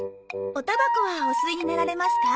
おタバコはお吸いになられますか？